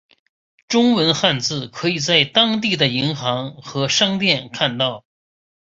中文汉字可以在当地的银行和商店看到。